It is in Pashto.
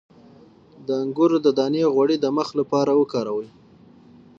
د انګور دانه غوړي د مخ لپاره وکاروئ